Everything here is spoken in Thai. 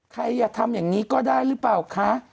อย่าทำอย่างนี้ก็ได้หรือเปล่าคะ